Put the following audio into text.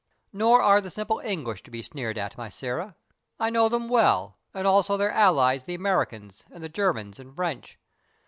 Nor are the simple English to be sneered at, my Sĕra. I know them well, and also their allies, the Americans and the Germans and French.